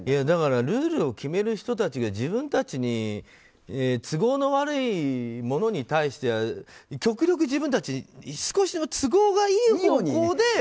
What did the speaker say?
だからルールを決める人たちが自分たちに都合の悪いものに対しては極力自分たちに少しでも都合がいい方向で。